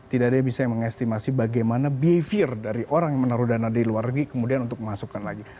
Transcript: tidak ada yang bisa mengestimasi bagaimana behavior dari orang yang menaruh dana dari luar negeri kemudian untuk memasukkan lagi